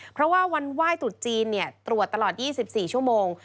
เพราะว่าวันไหว้ตรุษจีนตรวจตลอด๒๔ชั่วโมง